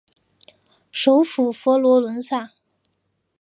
首府佛罗伦萨。